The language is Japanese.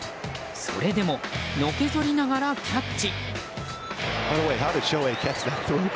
それでものけぞりながらキャッチ。